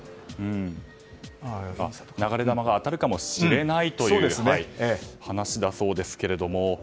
流れ弾が当たるかもしれないという話だそうですが。